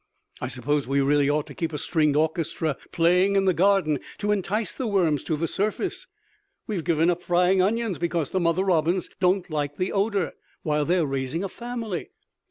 I suppose we really ought to keep a stringed orchestra playing in the garden to entice the worms to the surface. We have given up frying onions because the mother robins don't like the odor while they're raising a family.